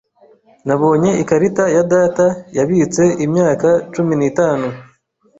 Nabonye ikarita ya data yabitse imyaka cumi nitanu